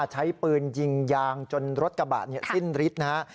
ใช้ปืนยิงยางจนรถกระบะสิ้นฤทธิ์นะฮะ